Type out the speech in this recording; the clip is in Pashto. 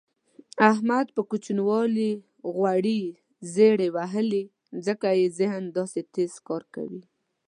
احمد په کوچینوالي غوړې زېړې وهلي ځکه یې ذهن داسې تېز کار کوي.